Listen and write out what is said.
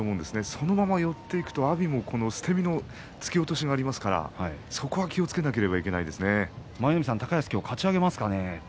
そのまま寄っていくと阿炎の捨て身の突き落としがありますから、そこは気をつけなきゃいけないですね。